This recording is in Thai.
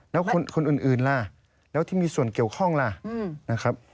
แล้วคนอื่นล่ะแล้วที่มีส่วนเกี่ยวข้องล่ะนะครับ